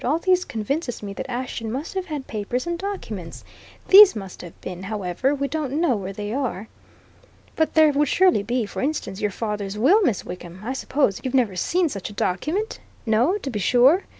"All this convinces me that Ashton must have had papers and documents! These must have been however, we don't know where they are. But there would surely be, for instance, your father's will, Miss Wickham. I suppose you've never seen such a document? No, to be sure!